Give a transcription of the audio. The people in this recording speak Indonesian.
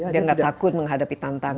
dia nggak takut menghadapi tantangan